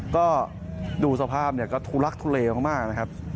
ก็ดูสภาพก็ทุลักษณ์ทุเลมากนะครับ